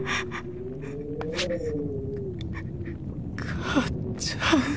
母ちゃん。